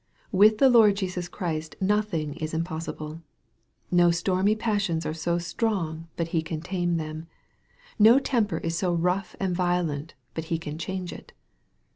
With the Lord Jesus Christ nothing is impos sible. No stormy passions are so strong but He can tame them. No temper is so rough and violent but He can change it.